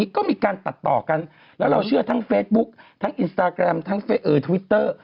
ก็มีการตัดต่อกันแล้วเราเชื่อทั้งเฟซบุ๊คทั้งอินสตาแกรมทั้งทวิตเตอร์